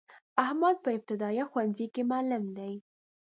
احمد په ابتدایه ښونځی کی معلم دی.